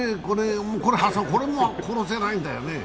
これも殺せないんだよね。